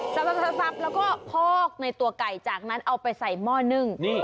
เธอซับแล้วก็พอกในตัวไก่จากนั้นเอาไปใส่หม้อนึ่ง